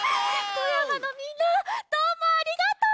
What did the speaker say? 富山のみんなどうもありがとう！